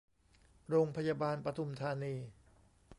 โรงพยาบาลปทุมธานี